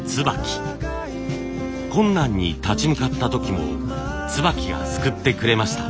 困難に立ち向かった時も椿が救ってくれました。